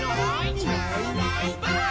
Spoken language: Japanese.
「いないいないばあっ！」